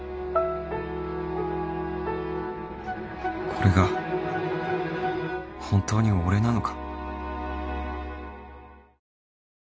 これが本当に俺なのか？